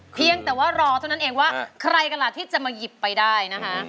เพียงแต่ว่ารอเท่านั้นเองว่าใครกันล่ะที่จะมาหยิบไปได้นะคะ